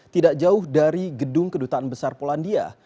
tidak jauh dari gedung kedutaan besar polandia